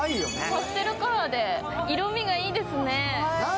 パステルカラーで色味がいいですよね、かわいい。